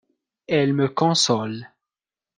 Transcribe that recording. Elle me console.